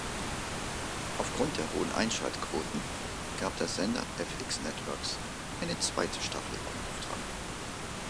Aufgrund der hohen Einschaltquoten gab der Sender fx networks eine zweite Staffel in Auftrag.